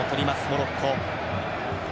モロッコ。